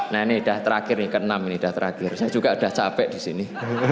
nah ini udah terakhir nih ke enam ini udah terakhir saya juga udah capek di sini